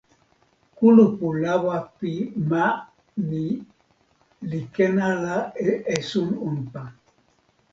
kulupu lawa pi ma ni li ken ala e esun unpa.